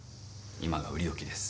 今が売りどきです。